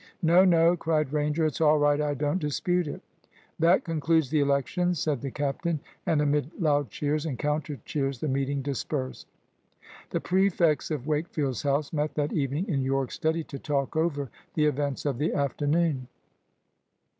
"No, no!" cried Ranger. "It's all right. I don't dispute it." "That concludes the elections," said the captain. And amid loud cheers and counter cheers the meeting dispersed. The prefects of Wakefield's house met that evening in Yorke's study to talk over the events of the afternoon.